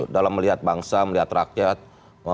dalam melihat bangsa melihat rakyat memandang bagaimana